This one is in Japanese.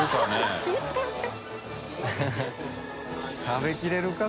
食べきれるか？